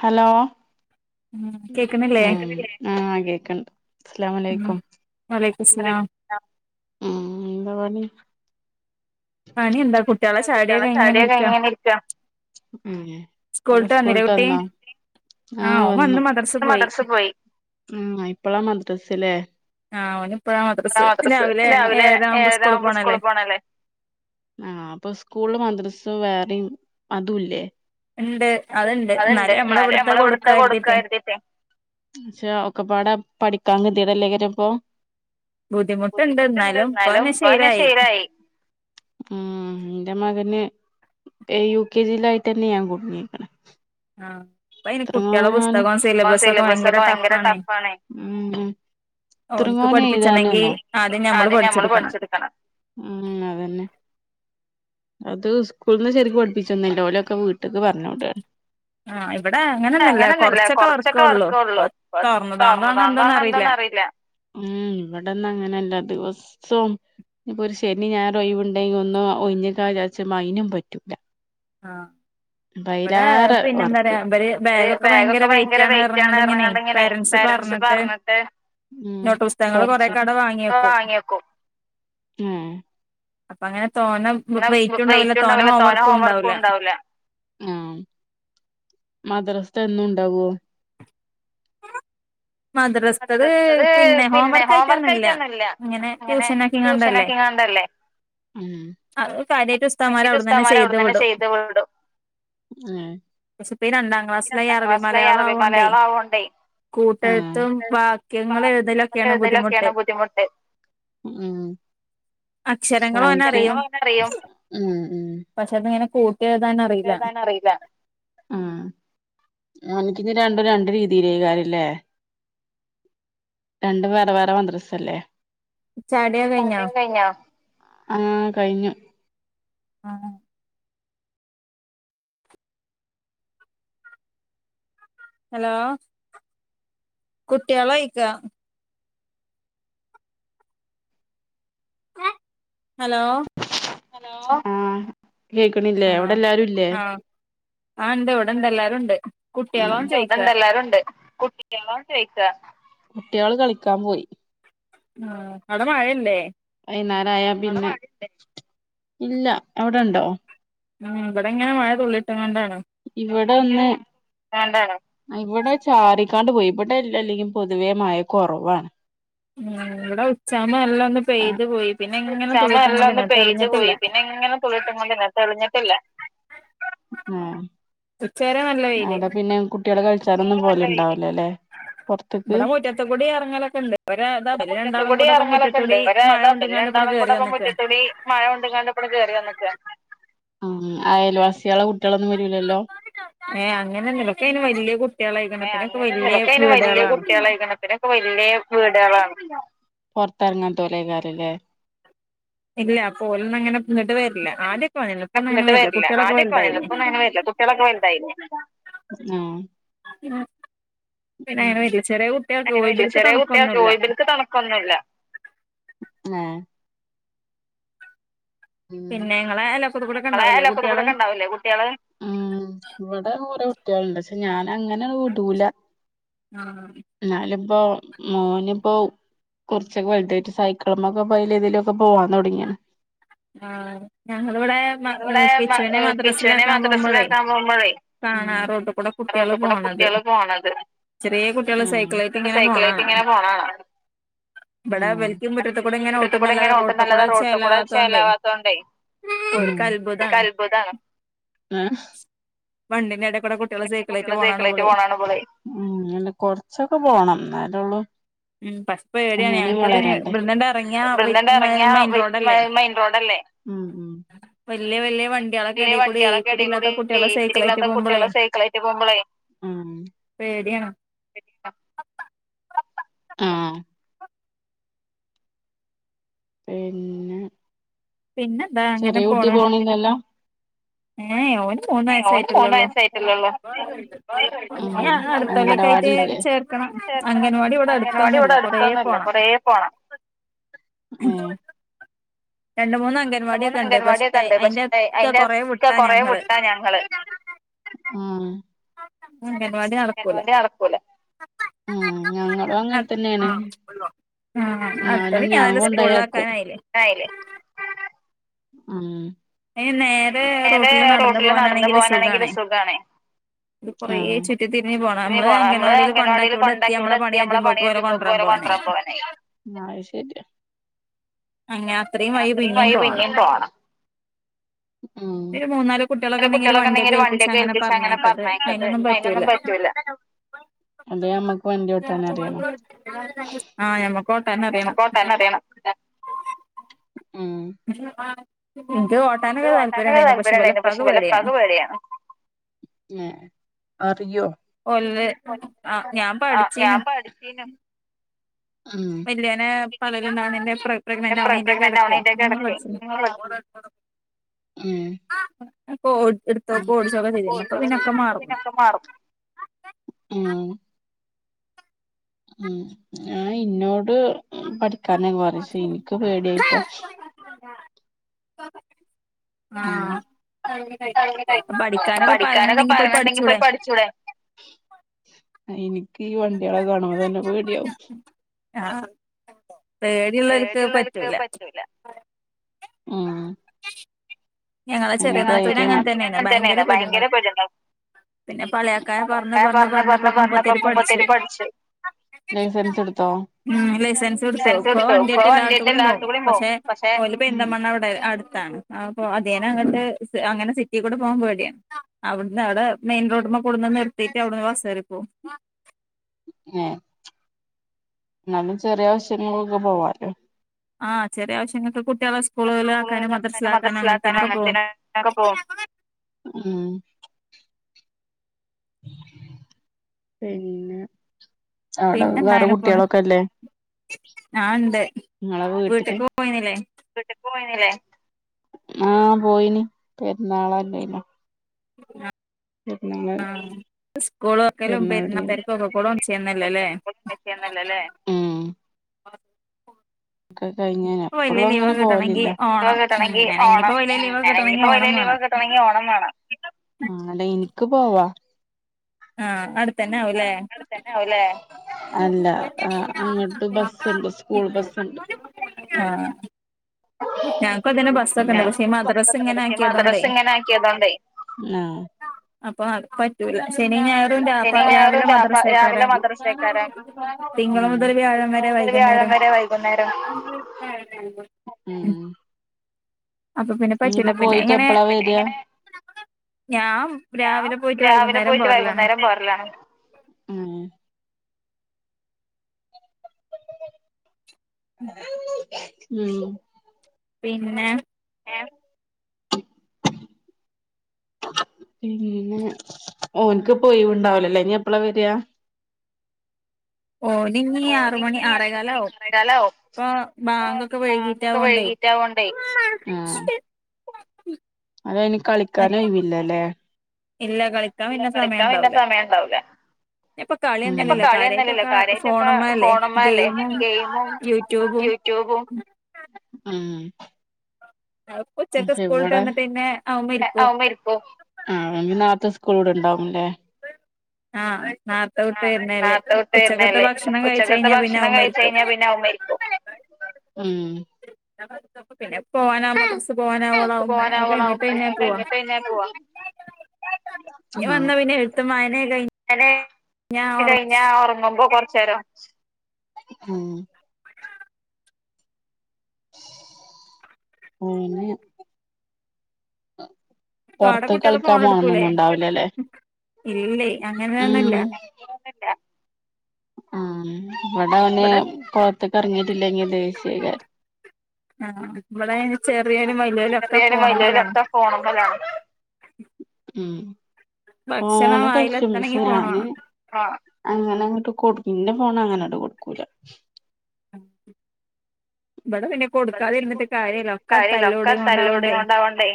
Hello [inaudible] ആഹ് ആഹ് കേക്ക്ണ്ട് അസ്ലാമലൈക്കും വലൈക്കുംമുസ്‌ലാം ഹലോ ഉം എന്താ പണി കടി എന്താ കുട്ടിയേളെ ചായുടൈഞ്ഞ് അങ്ങനെ ഇരിക്കാ ഉം ഏഹ് ഒക്കെ സ്കൂൾട്ട് വന്നാേ ആഹ് വന്നു ഇപ്പൊ മദ്റസ് പോയി ഉം ആഹ് ഇപ്പളാ മദ്റ്സ് ല്ലേ ഇപ്പളാ മദ്റ്സ് രാവിലെ ഏഴരാവുമ്പൊ സ്കൂള് പോണഅല്ലേ ആഹ് അപ്പൊ സ്കൂള് മദ്റ്സ്സ് വേറിം അതുല്ലേ അത്ണ്ട് ഇന്നാല് ഞമ്മള് ഇവ്ട്ത്തെ കൊട്ക്കാകെര്തിയിട്ടെ പക്ഷെ ഒക്കെപ്പാടെ പഠിക്കാൻ ഗെതിയെടെല്ലെക്കാരം എപ്പോ ബുദ്ധിമുട്ടുണ്ട് ഇന്നാലും ഇപ്പ അങ്ങനെ ശീലായി ഉം ഇന്റ മകന് യു കെ ജിലായിട്ടന്നെ ഞാൻ കുട്ങ്ങീക്ണ് ആഹ് ഇത്രങ്ങാനും ഇപ്പാസിലബസൊക്കെ ഭയങ്കര ടെഫാണേ ഉം നെ എത്രങാനും എഴുതാന് ന്നോ. ആദ്യം ഞമ്മള് പഠിച്ച്ട്ക്കണം. അതന്നെ അത് സ്കൂൾന്ന് ശെരിക്കും പഠിപ്പിച്ചെന്നീല്ല ഓലൊക്കെ വീട്ട്ക്ക് പറഞ് വിടാണ്. വടെ അങ്ങനൊന്നല്ല കൊറച്ചൊക്കെ വർക്കോള്ളൂ പ്പം തൊർന്ന്ക്കാണ്ടാണൊ എന്താന്നറീല്ല. ഉം ഇവിടെന്നാ അങ്ങനല്ല ദിവസും ഇനിപ്പോ ഒരു ശനി ഞായറും ഒഴിവുണ്ടെങ്കി ഒന്ന് ഒഴിഞ്ക്കാ വിചാര്ച്ചുമ്പം അയ്നും പറ്റൂല്ല. അപ്പയിലാറെ വർക്ക്. ഒര് ബാഗൊക്കെ ഭയങ്കര വെയ്റ്റാണ് പർഞ്ങ്ങാണ്ടിങ്ങനെ പാരന്റ്സ് പർഞ്ഞിട്ട് മ് കൊർച്ച് ഇപ്പ വാങ്യേക്കും. ഏഹ് അപ്പൊ അങ്ങനെ തോനം ങ്ങനാവുമ്പ വെയിറ്റു ണ്ടാവൂല്ല തോന ഹോംവർക്കുൺ ണ്ടാവൂല. ആഹ്. മദ്രസ്ത്തെ എന്നുണ്ടാവോ? മദ്റസ്തത് പിന്നെ ഹോംവർക്ക് ആയിട്ടൊന്നുംല്ല അങ്ങനെ ട്യൂഷനാക്കിങ്ങാണ്ടല്ലേ. ഉം അത് കാര്യായിട്ട് ഉസ്താഹ്മാര് അവ്ട്ന്നന്നെ ചെയ്ത് വിടും. പക്ഷെപ്പ ഈ രണ്ടാം ക്ലാസ്സിലായി അറബി മലയാളാവോണ്ടേ കൂ ട്ടെഴുത്തും വാക്യങ്ങൾ എഴുതെലൊക്കെയാണ് ബുദ്ധിമുട്ട്. ഓൻക്ക് [unintelligible] ഉം ഉം പക്ഷെ അത്ങ്ങനെ കൂ ട്ടിയെഴ്താനറി എഴ്താനറീല്ല. ആഹ്. അനിക്കിനി രണ്ടും രണ്ട രീതിയിലേകാരല്ലേ. രണ്ടും വേറെ വേറെ മദ്രസല്ലേ? ചായുട്യൊക്കെ കഴിഞ്ഞോ? ആഹ് കഴിഞ്ഞു. ആണ്. ഹലോ കുട്ട്യേളഴിക്ക. ഹലോ ഹലോ ആഹ് കേക്ണില്ലേ അവിടെ എല്ലാരു ഇല്ലേ? ആഹ് ഇണ്ട് ഇവടെ ണ്ട്. എല്ലാരുണ്ട്. ണ്ട് വടെണ്ട് എല്ലാരുണ്ട് കുട്ട്യേള് ഒവ്ടെ ചോയിക്കാ, കുട്ടിയേള് കളിക്കാൻ പോയി. ആഹ് അടെ മഴല്ലേ. വൈന്നേരായ പിന്നെ, ഇല്ല അവിടെണ്ടോ? ഉം ഇവടെങ്ങനെ മഴ തുള്ളിയിട്ട്ങ്ങാണ്ടാണ്. ഇവടെ ഒന്ന് [unintelligible] അഹ് ഇവടെ ചാറിക്കാണ്ട് പോയി ഇവടെ എല്ലല്ലെങ്കിം പൊതുവെ മയ കൊറവാണ്. ഉം ഇവിടെ ഉച്ചാവുമ്പോ നല്ലൊന്ന് പെയ്തു പോയി പിന്നെ ഇങ്ങനെ തുള്ളിട്ട്ക്കാണ്ടന്നെ തെളിഞ്ഞിട്ടില്ല. തുള്ളിട്ട്ക്കാണ്ടന്നെ തെളിഞ്ഞിട്ടില്ല. ഉച്ചേരെ നല്ല അവ്ടെ പിന്നെ കുട്ടികള് കളിച്ചാലൊന്നും പോവല്ണ്ടാവൂല ല്ലെ. ഇവടെ മുറ്റത്ത് കൂടി എറങ്ങലൊക്കെ ണ്ട് അവര് ദാ ഇബല് രണ്ടാളും കൂടി മുറ്റത്തൂടി മഴ ദാ ഇബല് രണ്ടാളും കൂടെ പ്പം മുറ്റത്തൂടി മഴൊണ്ട്ക്കാണ്ട് ഇബടെ കേറിവന്നക്കാ. ആഹ് അയൽവാസിയേളെ കുട്ടിയേളൊന്നും വരൂല്ലല്ലോ. ഏഹ് അങ്ങനൊന്നുല്ല ഒക്കെയ്ന് വല്യ കു ഏഹ് അങ്ങനൊന്നുല്യ ഒക്കെയ്ന് വല്യ കുട്ടിയേളാക്ക്ണ് അപ്പപിന്നെ പൊതുവെ ഇവിടെ പൊറത്തിറങ്ങാതോലക്കാരല്ലേ. ഇല്ല പോലൊന്നും അങ്ങനെ നിന്നിട്ട് വരില്ല ആദ്യക്കെ വന്നില്ല ഇപ്പൊന്നും അങ്ങന വരില്ല കുട്ടികളൊക്കെ വല്തായില്ലേ കുട്ടികളെക്കെ വലുതായില്ലേ- [unintelligible] അങ്ങനെ വലൃയചെറിയ കുട്ടിയാ ജോലികൾക്ക് തടസ്സം ഒന്നുമില്ല ങേ ഉ നിങ്ങളെ അയലമുകൊതക്കൂടൊക്കെ ഉണ്ടാവല്ലേ കുട്ടികള് ഉം ഇവിടെ കുറേ കുട്ടികളുണ്ട് പക്ഷെ ഞാൻ അങ്ങനെ വിടൂല എന്നാല് ഇപ്പോ മോന്പ്പോ കുറച്ചൊക്കെ വെലുതായിട്ട് സൈക്കിളിമ്മൊക്കെ അയലേതിലുക്കെ പോവാല് തുടങ്ങിക്ക്‌ണ്. ആഹ് ഞങ്ങളിവിടെ പിച്ചുവിനെ മദ്രാസിലാക്കാൻ പോകുമ്പോഴേ കാണാ റോട്ടുകൂടെ കുട്ടികള് പോണത്. ചെറിയ കുട്ടികള് സൈക്കളേക്ക് ഇങ്ങനെ പോണകാണാ. ഇവിടെ വരിക്കും മുറ്റത്തും കൂടെ ഇങ്ങനെ ഓട്ടുംന്നല്ലാതെ റോട്ട് കൂടെ ചേലാവാത്ത ചേലാവത്തോണ്ടായ് അത്ഭുതാണ്. വണ്ടിൻ്റെ എടക്കൂടെ കൊ കുഞ്ഞുകുട്ടികള് സൈക്കേളേറ്റ് പോണ് കാണുമ്പളെയ് കൊറച്ചൊക്കെ പോണം എന്നാലേള്ളൂ അങ്ങനേം വളരണ്ടേ ഇവിട്ന്ണ്ട് എറങ്ങിയാ മെയിൻ റോഡല്ലേ മ്മ് മ്മ് വെല്യാ വണ്ടിയളൊക്കെ എടെക്കൂടെ ലെസിരി ഇല്ലാത്ത- കുട്ടിയാൾ സൈക്കളായിട്ട് പോംമ്പളെ പേടിയാണ് ആഹ് പേടി പിന്നെന്താ അങ്ങനെ പോണ് ഇല്ലല്ലോ ഏഹ് ഓന് മൂന്ന് വയസായിട്ടല്ലേ ഒള്ളു ഓനെ അടുത്തല്ലക്കെ ആയിട്ട് ചേർക്കണം അംഗനവാടി ഇവിടെ അടുത്തൊന്നുല്ല കൊറേ പോണം ഏഹ് രണ്ട് മൂന്ന് അംഗൻവാടിയൊക്കെ ണ്ട് പക്ഷെ അതിന്റെക്ക കൊറെ വി കൊറെ വിട്ടാ ഞങ്ങള് മ് ഹ്- അംഗനവാടി നടക്കൂല ആഹ് ഞങ്ങളും അങ്ങന തന്നെണ് എന്നാലും ഞാൻ കൊണ്ടെയാക്കും ആഹ് ഏഹ് നേരെ റോട്ടില് നടന്നു പോനാണെങ്കിൽ സുഖണേ ഇത് കുറെ ചുറ്റി തിരിഞ് പോണം നമ്മള് അംഗനവാടില് കൊണ്ടാക്കി വടെ എത്തി അമ്മളെ പണിക്കെനോക്ക്മ്പോക്കും ഓലെ- പ്പോ കോ ഓലെ കൊണ്ടരാൻ പോവാനായി ആഹ് അത് ശരിയാ അത്രയും വഴി പിന്നേം പോണം മ്മ് അല്ല കൊറേ കുട്ടികളൊക്കെ ണ്ടങ്കി ഒരു വണ്ടിയൊക്കെ ഏൽപ്പിച്ച് അങ്ങനെ പറഞ്ഞേക്ക അതിനൊന്നും പറ്റൂല്ല അല്ലെ അമ്മക്ക് വണ്ടി ഓട്ടാനറിയണം ആഹ് ഞമ്മക്കോട്ടാന് അറിയണം [unintelligible] ഇങ്കി ഓ ഇൻക് ഓട്ടാനോക്കെ താല്പര്യം ണ്ടായിനു പക്ഷെ ഇവലെഉപ്പാക് പേടിയാണ് ഏഹ് അറിയോ ആഹ് ഞാൻ പഠിചീനു ഉം പിന്നെ പ്രഗ്നന്റ് ആവണന്റെക്കെ എടക്ക് ഉം ഓ എടുത്തപ്പോ ഓടിച്ചൊക്കെ ചെയ്തിരുന്നു പ്പൊ പിന്നക്കാ മറന്ന് ഒക്ക മാറും ഉം ഉം ഞാ ഇന്നോട് പഠിക്കാനൊക്കെ പറിയും പക്ഷെ നിക്ക് പേടിയായിട്ടാ ആഹ് പഠിക്കാനൊക്കെ പറയുന്നുണ്ടങ്കി പോയി പഠിച്ചൂടെ എനിക്ക് ഈ വണ്ടിയളൊക്കെ കാണുമ്പോതന്നെ പേടിയാവും ആഹ് പേടിള്ളോര്ക്ക് പറ്റൂല ഉം അയിന് ധൈര്യം വേണം [unintelligible] ഭയങ്കര പോജനം പറയണ്ടാ പർഞ്ഞ് പറഞ് ഇപ്പൊ മൂപത്തിയാര് പഠിച്ച് ലൈസൻസ് എടുത്തോ ഉം ലൈസൻസ് എടുത്തു ഇപ്പൊ വണ്ടിയായിട്ട് എല്ലാട്ത്ത് കൂടേം പോകും പക്ഷെ ഓല് പെരിന്തൽമണ്ണ അവിടെ അട് ത്താണ് അപ്പൊ അനിയേന അങ്ങട്ട് അങ്ങനെ സിറ്റി കൂടെ പോകാൻ പേടിയാ അവിടുന്ന് അവിടെ മെയിൻ റോഡിമ്മ കൊടുന്ന് നിർത്തീട്ട് അവിടുന്ന് വസേറിപോകും ഏഹ് ന്നാലും ചെറിയ ആവശ്യങ്ങൾക്കൊക്കെ പോവാലോ ആഹ് ചെറിയ ആവശ്യങ്ങക്ക് കുട്ടിയാളെ സ് സ്കൂൾകൾ ആക്കാനും മദ്രസ്സ് ലാക്കാനും അങ്ങനത്തെന് ഒക്കെ പോകും പിന്നെ അവിടെ വേറെ കുട്ടിയാളൊക്കെ ല്ലേ ആഹ് ണ്ട് വീട്ട് ക്ക് പോയിന്നിലെ വിട്ട്ക്ക് പോയിന്നിലെ ആഹ് പോയിനി പെരുന്നാളല്ലേനോ ആഹ് ആഹ് സ്കൂള് തൊർക്കലും പെര്ന്നാ തരക്കൊക്കെ കൂടി ചെയ്യുന്നല്ലല്ലേ [unintelligible] ന്നല്ലല്ലേ ഉം കഴിഞ്ഞ് എപ്പള്ളും അങ്ങനെ പോവല്ല്ല [unintelligible] ഓണം വേണം ആല്ല ഇൻക്ക് പോവാ ആഹ് അടുത്തന്നെ ആവൂല്ലേ തന്നെ ആവുലേ ആഹ് ആഹ് [unintelligible] മദ്രസ് ഇങ്ങനെ ആക്കിയതോണ്ടേ ആഹ് അപ്പൊ അത് പറ്റൂല ശനി ഞായറും രാവിലെ മദ്രസാക്കാരം [unintelligible] തിങ്കൾ മുതൽ വ്യാഴം വരെ വൈകുന്നേരം ഉം ഇനിയിപ്പൊ പോയിട്ട് എപ്പളാ വരാ ഞാന് രാവിലെ പോയിട്ട് വൈകുന്നേരം പോരലാണ് ഉം പിന്നെ ഏഹ് പിന്നെ ഓൻക്ക് ഇപ്പൊ യിവുണ്ടാവൂലല്ലേ ഇനി എപ്പളാ വരാ [inaudible] ഓന് ഇനി ആറ്മണി ആറേക്കാലവും ആകെ വൈകി റ്റാ ഓണ്ടേ ആഹ് അതയ്ന് കളി ക്കാനൊയ് വില്ലലേ ഇല്ല കളിക്കാൻ പിന്നെ സമയം ഇണ്ടാവൂല അങ്ങനെ ഇപ്പൊ കളിയൊന്നല്ലല്ലോ കാര്യായിട്ടൊക്കെ ഫോണ് മല്ലേ ഗെയിമും യൂ ട്യൂബും ഉം ആഹ് പക്ഷെ ഇവിടെ ആ നാര്ത്തെ സ്കൂള് വിട്ണ്ടാവുല്ലേ ആഹ് ആഹ് നാര്ത്തെ വിട്ട് വന്നാല് ഉച്ചകത്തെ ഭക്ഷണം കഴിച്ച് കഴിഞ്ഞാ പിന്നെ അയ്മരിക്കും ഉം [unintelligible] ഇപ്പ ഓനാ പ്രശ് പോവാനാവോളം അത് കഴിഞ്ഞിട്ടാ പിന്നെ പോവാ നീ വന്ന പിന്നെ എഴുത്തും വായനിം ഒക്കെ കഴിഞ്ഞ കഴിഞ്ഞാ ഒറങ്ങുമ്പം കൊർച്ചേരം [unintelligible] അങ്ങനെ പൊർത്ത് കളിക്കാൻ പോണംന്നൊന്നും ഉണ്ടാവുലല്ലേ ഉം ആഹ് ഇവിടെ അവന് പൊർത്ത്ക്ക് എറങ്ങിട്ടില്ലെങ്കിൽ ദേഷ്യെകാരം ആഹ് ഇവടെയിന് ചെറിയോലും വലിയോലും ഒക്കെ ഫോണ് മ്മലാണ് ഫോണ് മ്മലാണ് ഉം ഫോണ് കളിച്ചും പക്ഷെ ഞാന് അങ്ങനെ അങ്ങട്ട് കൊട് ഇന്റെ ഫോണ് അങ്ങനട്ട് കൊടുക്കൂല ബടെ പിന്നെ ഇബടെ പിന്നെ കൊട്ക്കാതിര്ന്ന്ട്ട് കാര്യല്ല ഒക്കെ തല്ലൂടി കൊണ്ടാവണ്ടേ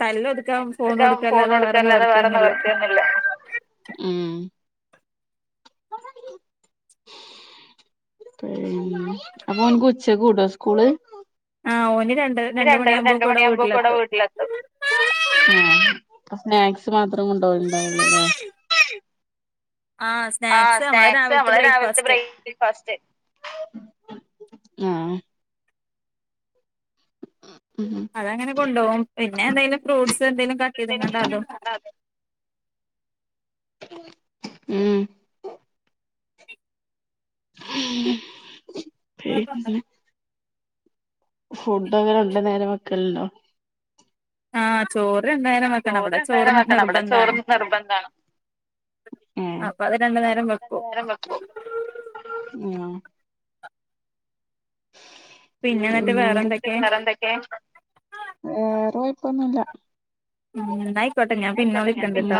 തല്ലൊടുക്കാൻ ഫോൺ കൊടുക്ക അല്ലാതെ വേറൊരു നിവൃത്തിയൊന്നുല്ല ഉം [inaudible] ഉം അപ്പോൻക്ക് ഉച്ചക്ക് വ്ടോ സ്‌കൂള്? ഒരു രണ്ടര രണ്ട് മണിയാവുമ്പോക്ക് ഇവ്ടെ വീട്ടിലെത്തും. ആഹ് സ്നാക്സ് മാത്രം കൊണ്ടോവല്ണ്ടാവൊള്ളൂല്ലേ? [inaudible] ആഹ് സ് ആഹ് സ്നാക്സ് നമ്മളെ രാവിൽത്തെ ബ്രേക്ക്ഫാസ്റ്റ്. ഉം. അതങ്ങനെ കൊണ്ടോവും. പിന്നെ എന്തേലും ഫ്രൂട്ട്സ് എന്തേലും കട്ടെയ്ത്ങ്ങാണ്ട് അതും. ഉം ഉം പിന്നെ ഫുഡ് എങ്ങനെ രണ്ട് നേരം വെക്കല്ണ്ടോ? ചോറ് എന്തായാലും വെക്കണം. ഇവിടെ ചോറ് നിർബന്ധാണ്. ഏഹ് രണ്ട് നേരം വെക്കും. ആഹ് പിന്നെ വേറെന്തൊക്കെ വേറെ കൊയപ്പൊന്നുല്ല. അങ്ങനെ ന്നായിക്കോട്ടെ ഞാൻ പിന്നെ വിളിക്കണ്ട്ട്ടോ.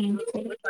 ഉം ശരി.